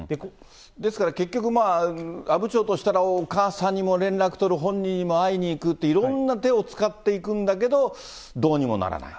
ですから結局、阿武町としたら、お母さんにも連絡取る、本人にも会いに行くって、いろんな手を使っていくんだけれど、どうにもならない。